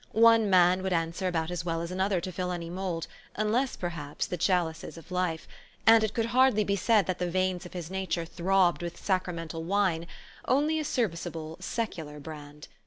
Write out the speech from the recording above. One man would answer about as well as another to fill any mould, unless, perhaps, the chalices of life ; and it could hardly be said that the veins of his nature throbbed with sacramental wine, only a serviceable, secular brand.